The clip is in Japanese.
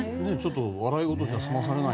笑い事じゃ済まされない。